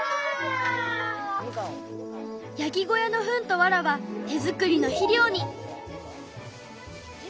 ヤギ小屋のフンとワラは手作りの肥料に。